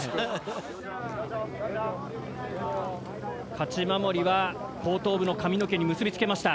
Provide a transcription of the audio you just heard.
「勝守」は後頭部の髪の毛に結びつけました。